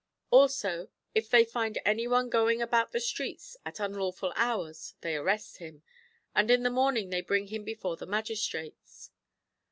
Also if they find any one going about the streets at unlawful hours they arrest him, and in the morning they bring him before the magistrates.